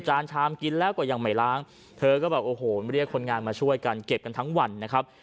จานแชมบ์กินแล้วก็ยังไม่ล้างเรียกรีฟคนงานมาช่วยกันเก็บกันทั้งวันนะครับ